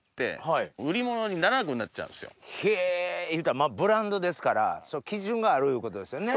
へぇ言うたらブランドですから基準があるいうことですよね？